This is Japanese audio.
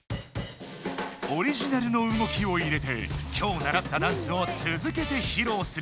オリジナルの動きを入れて今日ならったダンスをつづけてひろうする！